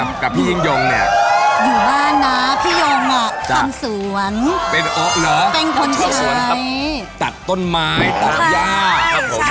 เอากับชนจะจัดทั้งคุก